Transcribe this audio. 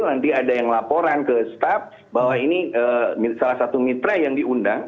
nanti ada yang laporan ke staf bahwa ini salah satu mitra yang diundang